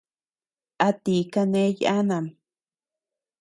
¿A ti kane yanam.